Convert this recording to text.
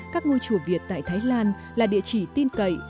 các ngôi chùa việt tại thái lan là địa chỉ tin cậy